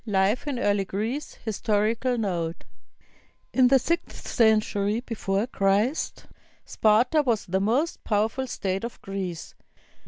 II LIFE IN EARLY GREECE HISTORICAL NOTE In the sixth century before Christ, Sparta was the most powerful state of Greece.